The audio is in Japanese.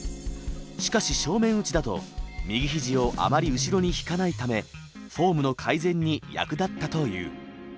しかし正面打ちだと右肘をあまり後ろに引かないためフォームの改善に役立ったという。